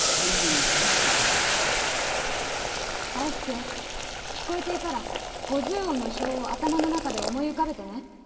「大輔聞こえていたら五十音の表を頭の中で思い浮かべてね。